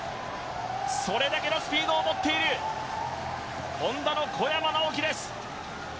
それだけのスピードを持っているＨｏｎｄａの小山直城です。